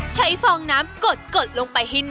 ฟองน้ำกดลงไปให้แน่น